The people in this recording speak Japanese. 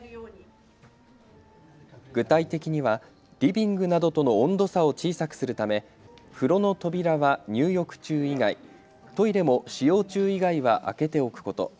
具体的にはリビングなどとの温度差を小さくするため風呂の扉は入浴中以外、トイレも使用中以外は開けておくこと。